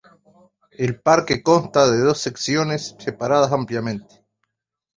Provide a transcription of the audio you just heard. El parque consta de dos secciones separadas ampliamente.